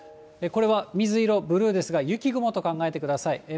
これは水色、ブルーですが、雪雲と考えてください。